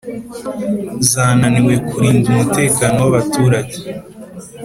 zananiwe kurinda umutekano w'abaturage.